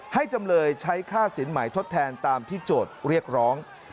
จำเลยใช้ค่าสินใหม่ทดแทนตามที่โจทย์เรียกร้อง